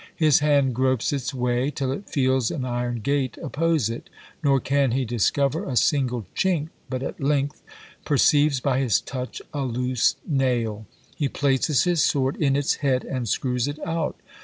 His hand gropes its way till it feels an iron gate oppose it; nor can he discover a single chink, but at length perceives by his touch a loose nail; he places his sword in its head and screws it out.